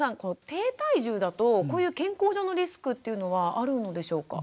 低体重だとこういう健康上のリスクっていうのはあるのでしょうか？